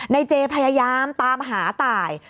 ในเจนี่พยายามตามหาตาย